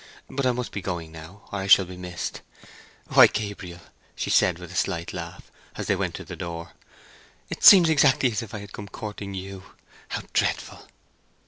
But I must be going now, or I shall be missed. Why Gabriel," she said, with a slight laugh, as they went to the door, "it seems exactly as if I had come courting you—how dreadful!"